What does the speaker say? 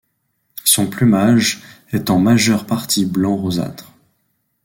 Son plumage est en majeure partie blanc rosâtre.